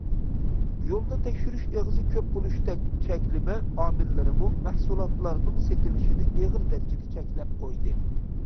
يولدا تەكشۈرۈش ئېغىزى كۆپ بولۇشتەك چەكلىمە ئامىللىرىمۇ مەھسۇلاتلارنىڭ سېتىلىشىنى ئېغىر دەرىجىدە چەكلەپ قويدى.